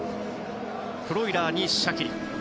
フロイラーにシャキリ。